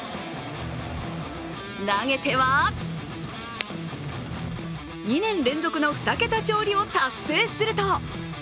投げては２年連続の２桁勝利を達成すると。